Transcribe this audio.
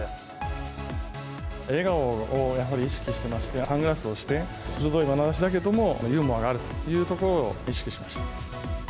笑顔をやはり、意識してまして、サングラスをして、鋭いまなざしだけれども、ユーモアがあるというところを意識しました。